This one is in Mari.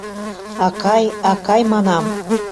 Акай, акай, манам!